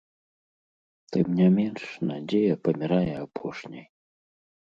Тым не менш надзея памірае апошняй.